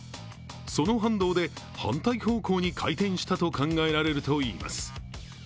その反動で、反対方向に回転したと考えられるといいます。